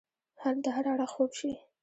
د هر اړخ خوب شي